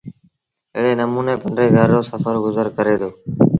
ايڙي نموٚني پنڊري گھر رو سڦر گزر ڪري دو